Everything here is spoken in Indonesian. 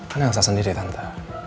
kan elsa sendiri tante